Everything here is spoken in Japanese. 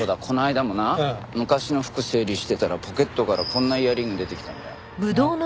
この間もな昔の服整理してたらポケットからこんなイヤリング出てきたんだ。